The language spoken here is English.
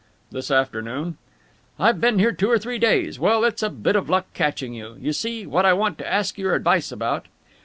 "This afternoon." "I've been here two or three days. Well, it's a bit of luck catching you. You see, what I want to ask your advice about...."